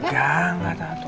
enggak nggak jatuh